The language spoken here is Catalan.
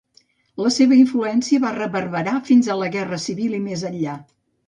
La seva influència va reverberar fins a la Guerra Civil i més enllà.